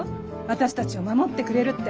私たちを守ってくれるって。